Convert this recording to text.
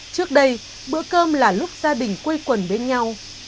trước đây bữa cơm là lúc gia đình quên điện thoại